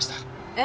え？